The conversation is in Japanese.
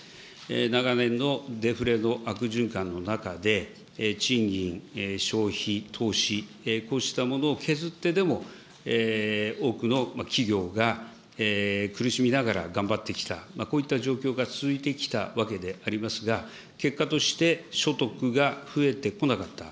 長年のデフレの悪循環の中で、賃金、消費、投資、こうしたものを削ってでも、多くの企業が苦しみながら頑張ってきた、こういった状況が続いてきたわけでありますが、結果として、所得が増えてこなかった。